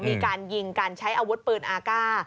มีการยิงการใช้อาวุธปืนอากาศ